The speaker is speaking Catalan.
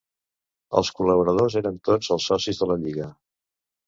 Els col·laboradors eren tots els socis de la Lliga.